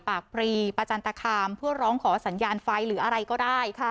ปรีประจันตคามเพื่อร้องขอสัญญาณไฟหรืออะไรก็ได้